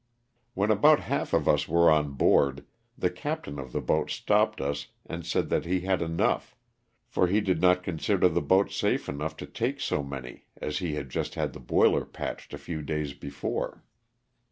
When about half of us were on board the captain of the boat stopped us and said that he had enough, for he did not con sider the boat safe enough to take so many as he had just had the boiler patched a few days before.